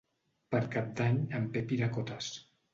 Per Cap d'Any en Pep irà a Cotes.